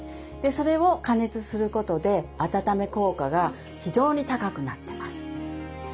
それを加熱することで温め効果が非常に高くなってます。